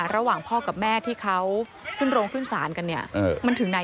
ระหว่างพ่อกับแม่ที่เขาขึ้นโรงขึ้นศาลกันเนี่ยมันถึงไหน